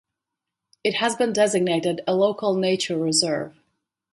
It has been designated a Local Nature Reserve.